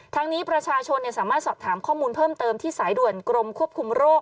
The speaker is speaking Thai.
ทั้งนี้ประชาชนสามารถสอบถามข้อมูลเพิ่มเติมที่สายด่วนกรมควบคุมโรค